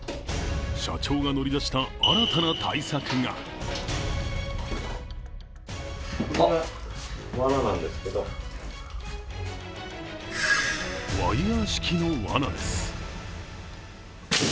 社長が乗り出した新たな対策がワイヤー式のわなです。